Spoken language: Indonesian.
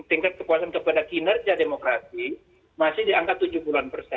tingkat kepuasan kepada kinerja demokrasi masih di angka tujuh puluh an persen